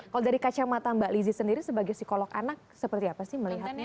kalau dari kacamata mbak lizzie sendiri sebagai psikolog anak seperti apa sih melihatnya